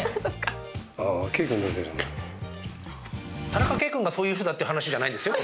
田中圭君がそういう人だっていう話じゃないんですよ。